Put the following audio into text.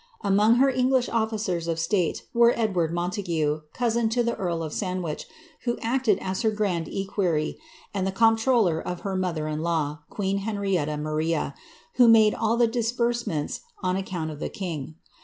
Among her English officers of state were Eld ward Montague, cousin to the earl of Sandwich, who acted as her grand equerry, and the comp troller of lier mother in law, queen Henrietta Maria, who made all the disbursements on account of the king.